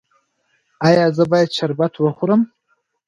ایا زه باید شربت وخورم؟